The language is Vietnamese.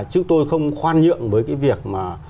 chứ tôi không khoan nhượng với cái việc